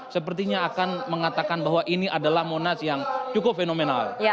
sepertinya akan mengatakan bahwa ini adalah monas yang cukup fenomenal